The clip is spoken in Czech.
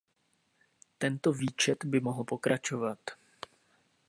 Tento výčet by mohl pokračovat.